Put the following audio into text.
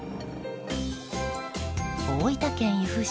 大分県由布市